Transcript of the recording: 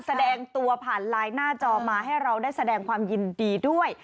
แสดงตัวผ่านไลน์หน้าจอมาให้เราได้แสดงความยินดีด้วย